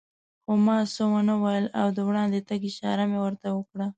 خو ما څه و نه ویل او د وړاندې تګ اشاره مې ورته وکړه.